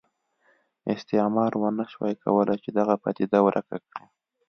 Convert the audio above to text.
استعمار ونه شوای کولای چې دغه پدیده ورکه کړي.